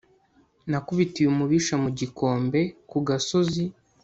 nakubitiye umubisha mu gikombe kugasozi